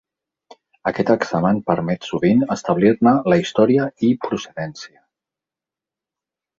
Aquest examen permet sovint establir-ne la història i procedència.